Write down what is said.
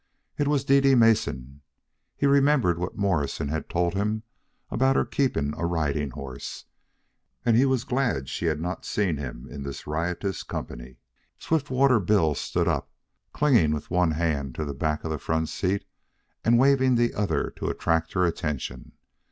It was Dede Mason he remembered what Morrison had told him about her keeping a riding horse, and he was glad she had not seen him in this riotous company. Swiftwater Bill stood up, clinging with one hand to the back of the front seat and waving the other to attract her attention.